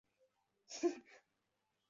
向秀丽死后被葬于银河革命公墓内。